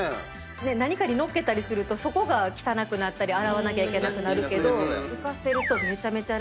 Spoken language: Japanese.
何かに乗っけたりするとそこが汚くなったり洗わなきゃいけなくなるけど浮かせるとめちゃめちゃ楽。